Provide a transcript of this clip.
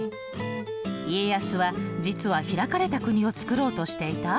家康は実は開かれた国をつくろうとしていた？